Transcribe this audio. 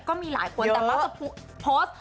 ก็มีหลายคนแต่มักจะโพสต์